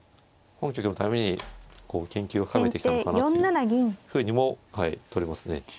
本局のために研究を深めてきたのかなというふうにもとれますね。